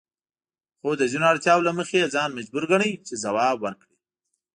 خو د ځینو اړتیاوو له مخې یې ځان مجبور ګاڼه چې ځواب ورکړي.